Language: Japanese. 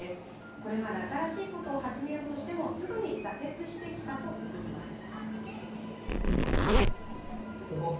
これまで新しいことを始めようとしてもすぐに挫折してきたといいます。